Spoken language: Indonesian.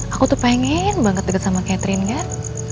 aku tuh pengen banget deket sama catherine kan